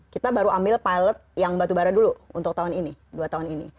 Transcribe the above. kita baru ambil pilot yang batubara dulu untuk tahun ini dua tahun ini